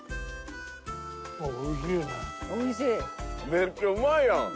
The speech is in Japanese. めっちゃうまいやん！